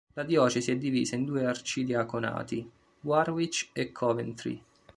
La diocesi è divisa in due arcidiaconati, Warwick e Coventry.